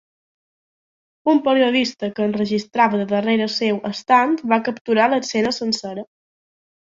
Un periodista que enregistrava de darrere seu estant va capturar l’escena sencera.